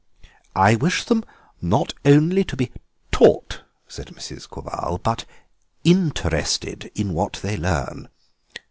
"I wish them not only to be taught," said Mrs. Quabarl, "but interested in what they learn.